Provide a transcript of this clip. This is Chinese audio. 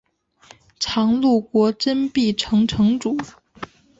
常陆国真壁城城主。